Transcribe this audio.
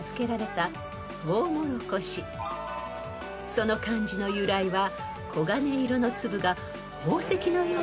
［その漢字の由来は］